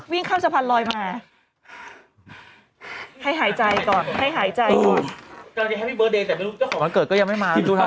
วิ่งข้ามสะพันรอยมาให้หายใจก่อนให้หายใจก่อนแต่ไม่รู้เจ้าของวันเกิดก็ยังไม่มา